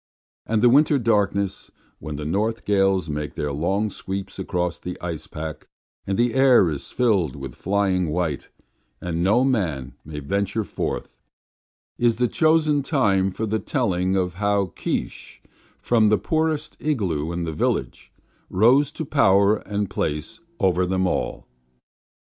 And the winter darkness, when the north gales make their long sweep across the ice pack, and the air is filled with flying white, and no man may venture forth, is the chosen time for the telling of how Keesh, from the poorest igloo in the village, rose to power and place over them all.